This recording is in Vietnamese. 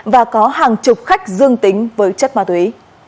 và có hàng chục khách dương tính với chất ma túy